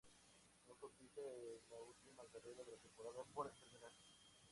No compite en la última carrera de la temporada por enfermedad.